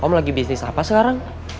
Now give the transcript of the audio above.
om lagi bisnis apa sekarang